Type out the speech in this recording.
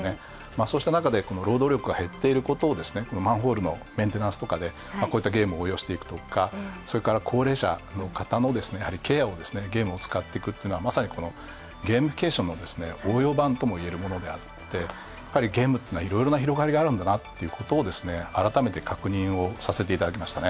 そうした中で労働力が減っていることをマンホールのメンテナンスとかでこういったゲームを応用していくとか、それから高齢者の方のケアをゲームを使っていくっていうのは、まさにゲーミフィケーションの応用版ともいえるもので、ゲームっていうのは、いろいろな広がりがあるんだなと、改めて確認させていただきました。